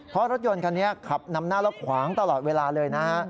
เพราะรถยนต์คันนี้ขับนำหน้าแล้วขวางตลอดเวลาเลยนะฮะ